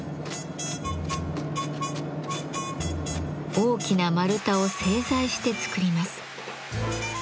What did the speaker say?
大きな丸太を製材して作ります。